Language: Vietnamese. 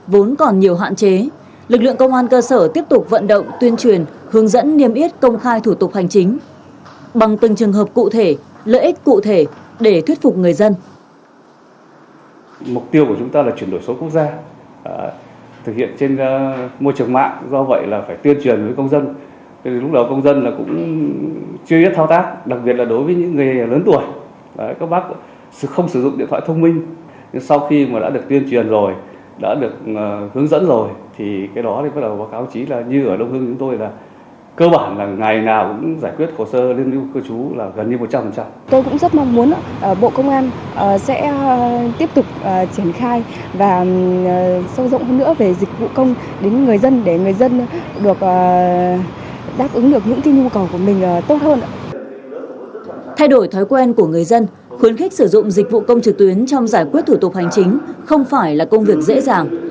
vốn còn nhiều hạn chế lực lượng công an cơ sở tiếp tục vận động tuyên truyền hướng dẫn niêm yết công khai thủ tục hành chính bằng từng trường hợp cụ thể lợi ích cụ thể để thuyết phục người dân